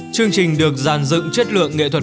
chương trình được giàn dựng chất lượng nghệ thuật